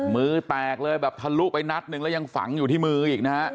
มือแตกเลยแบบทะลุไปนัดหนึ่งแล้วยังฝังอยู่ที่มืออีกนะฮะ